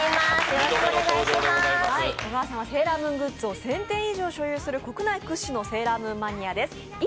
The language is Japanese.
小川さんはセーラームーングッズを１０００点以上所有する国内屈指のセーラームーンマニアです。